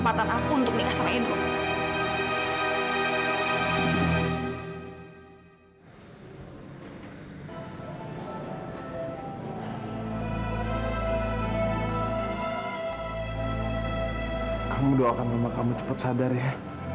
doakan mama kamu cepat sadar ya